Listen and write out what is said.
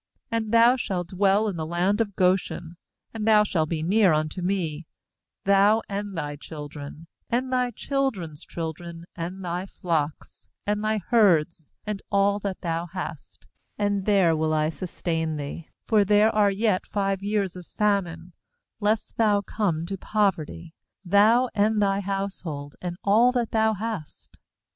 10And thou shalt dwell in the land of Goshen, and thou shalt be near unto me, thou, and thy children, and thy children's children, and thy flocks, and thy herds, and all that thou hast; nand there will I sustain thee; for there are yet five years of famine; lest thou come to poverty, thou, and thy household, and all that thou hast.